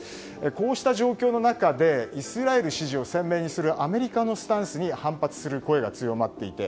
こうした状況の中でイスラエル支持を鮮明にするアメリカのスタンスに反発する声が強まっていて